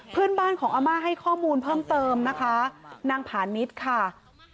เพื่อนบ้านของอาม่าให้ข้อมูลเพิ่มเติมนะคะนางผานิดค่ะ